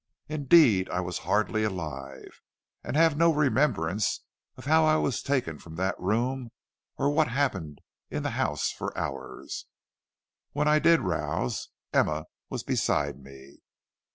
Indeed, I was hardly alive, and have no remembrance of how I was taken from that room or what happened in the house for hours. When I did rouse, Emma was beside me.